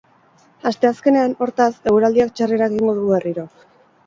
Asteazkenean, hortaz, eguraldiak txarrera egingo du berriro.